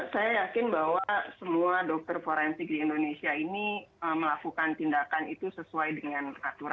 saya yakin bahwa semua dokter forensik di indonesia ini melakukan tindakan itu sesuai dengan aturan